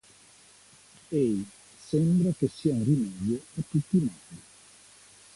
Ei sembra che sia un rimedio a tutti i mali.